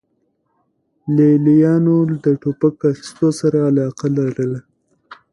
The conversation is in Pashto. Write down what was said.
لې لیانو د ټوپک اخیستو سره علاقه لرله